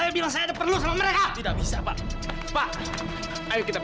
aku nggak mau lepas